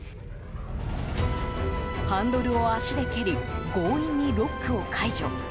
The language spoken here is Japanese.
ハンドルを足で蹴り強引にロックを解除。